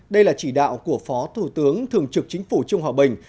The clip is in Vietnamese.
đây là chỉ đạo của phó thủ tướng thường trực chính phủ trương hòa bình